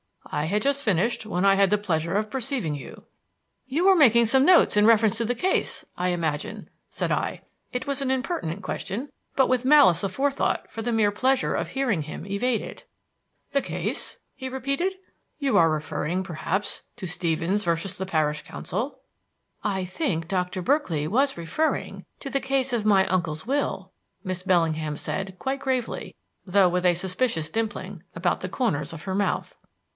I had just finished when I had the pleasure of perceiving you." "You were making some notes in reference to the case, I imagine," said I. It was an impertinent question, put with malice aforethought for the mere pleasure of hearing him evade it. "The case?" he repeated. "You are referring, perhaps, to Stevens versus the Parish Council?" "I think Doctor Berkeley was referring to the case of my uncle's will," Miss Bellingham said quite gravely, though with a suspicious dimpling about the corners of her mouth.